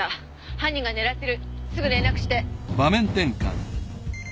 犯人が狙ってるすぐ連絡して。